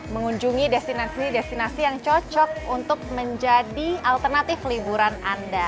mengunjungi destinasi destinasi yang cocok untuk menjadi alternatif liburan anda